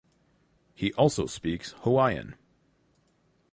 He also speaks Hawaiian.